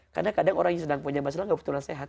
karena kadang orang yang sedang punya masalah gak butuh nasehat